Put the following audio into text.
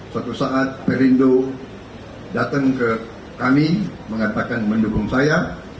suatu saat perindo datang ke kami mengatakan mendukung saya